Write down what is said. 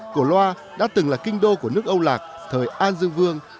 cổ loa đã từng là kinh đô của nước âu lạc thời an dương vương